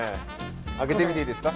開けてみていいですか？